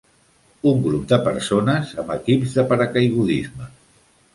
Un grup de persones amb equips de paracaigudisme.